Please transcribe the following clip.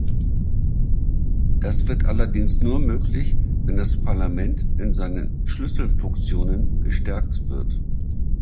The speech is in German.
Das wird allerdings nur möglich, wenn das Parlament in seinen Schlüsselfunktionen gestärkt wird.